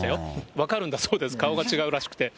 分かるんだそうです、顔が違うらしくて。